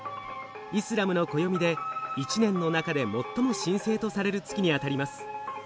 イスラムの暦で１年の中で最も神聖とされる月にあたります。